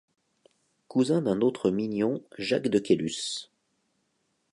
Cousin d'un autre mignon Jacques de Caylus.